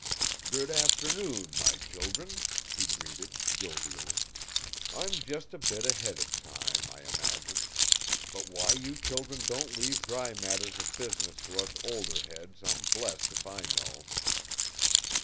"Good afternoon, my children," he greeted, jovially. "I'm just a bit ahead of time, I imagine. But why you children don't leave dry matters of business to us older heads I'm blessed if I know."